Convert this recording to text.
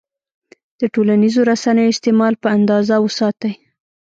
د ټولنیزو رسنیو استعمال په اندازه وساتئ.